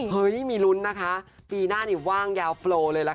เฮ้ยมีลุ้นนะคะปีหน้านี่ว่างยาวโปรเลยล่ะค่ะ